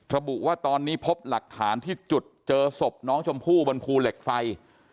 ระบุว่าตอนนี้พบหลักฐานที่จุดเจอศพน้องชมพู่บนภูเหล็กไฟ